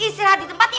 istirahat di tempat yang